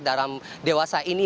dalam dewasa ini